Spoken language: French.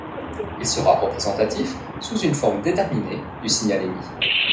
Il sera représentatif, sous une forme déterminée, du signal émis.